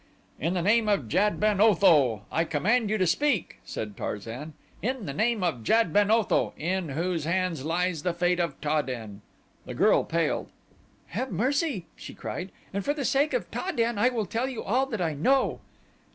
"In the name of Jad ben Otho I command you to speak," said Tarzan. "In the name of Jad ben Otho in whose hands lies the fate of Ta den!" The girl paled. "Have mercy!" she cried, "and for the sake of Ta den I will tell you all that I know."